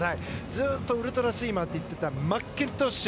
ずっとウルトラスイマーと言っていたマッキントッシュ。